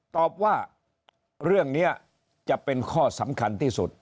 ตอบว่าเรื่องนี้จะเป็นข้อสำคัญที่สุด